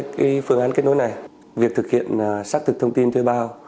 cái phương án kết nối này việc thực hiện xác thực thông tin thuê bao